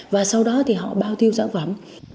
và sau đó thì họ bao tiêu sản phẩm